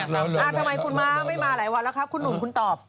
ทำไมคุณม้าไม่มาหลายวันแล้วครับคุณหนุ่มคุณตอบ